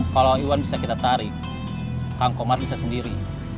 kalau iwan bisa kita tarik kang komar bisa sendiri